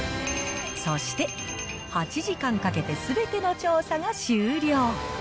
そして８時間かけてすべての調査が終了。